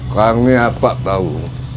kami apa tahu